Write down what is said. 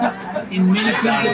ini untuk penutup dan energi